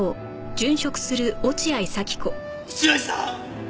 落合さん！